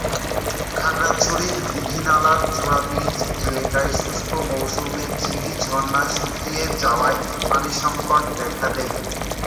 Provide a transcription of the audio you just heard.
খাগড়াছড়ির দীঘিনালার জোড়াব্রিজ এলাকায় শুষ্ক মৌসুমে ঝিরি-ঝরনা শুকিয়ে যাওয়ায় পানিসংকট দেখা দেয়।